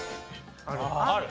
ある。